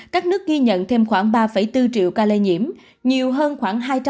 các nước ghi nhận thêm khoảng ba năm triệu dịch bệnh